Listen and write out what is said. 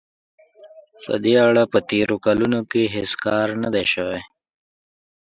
په دې اړه په تېرو کلونو کې هېڅ کار نه دی شوی.